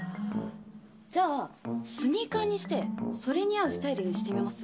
じゃあ、スニーカーにして、それに合うスタイルにしてみます？